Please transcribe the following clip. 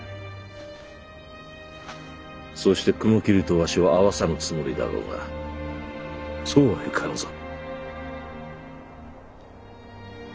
そうして雲霧とわしを会わさぬつもりだろうがそうはいかぬぞ。